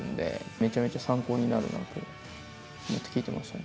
めちゃめちゃ参考になるなと思って聴いてましたね。